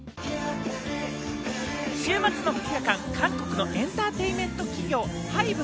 週末の２日間、韓国のエンターテインメント企業・ＨＹＢＥ